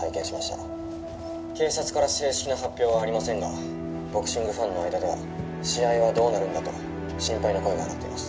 「警察から正式な発表はありませんがボクシングファンの間では試合はどうなるんだと心配の声が上がっています」